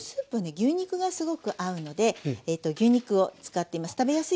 牛肉がすごく合うので牛肉を使っています。